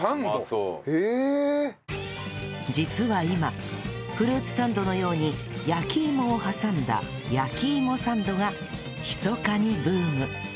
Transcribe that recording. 実は今フルーツサンドのように焼き芋を挟んだ焼き芋サンドがひそかにブーム